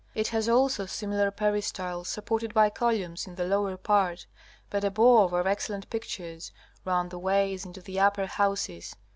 It has also similar peristyles supported by columns in the lower part, but above are excellent pictures, round the ways into the upper houses.